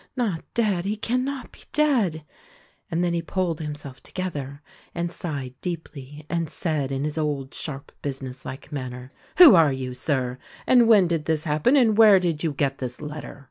not dead? He can not be dead?" And then he pulled himself together and sighed deeply and said, in his old, sharp busi ness like manner, "Who are you, Sir, and when did this happen, and where did you get this letter."